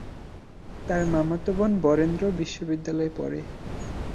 তার মামাতো বোন বরেন্দ্র বিশ্ববিদ্যালয়ে পড়ে।